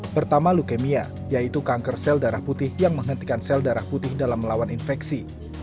pertama leukemia yaitu kanker sel darah putih yang menghentikan sel darah putih dalam melawan infeksi